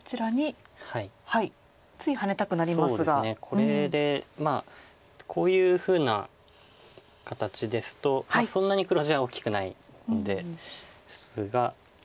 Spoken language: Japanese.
これでこういうふうな形ですとそんなに黒地は大きくないのですが。